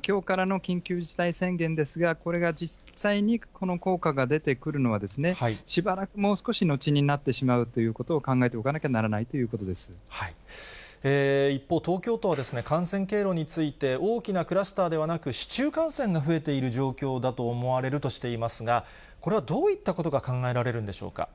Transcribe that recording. きょうからの緊急事態宣言ですが、これが実際に、この効果が出てくるのはですね、しばらく、もう少し後になってしまうということを考えていかなきゃならない一方、東京都は、感染経路について、大きなクラスターではなく、市中感染が増えている状況だと思われるとしていますが、これはどういったことが考えられるんでしょうか。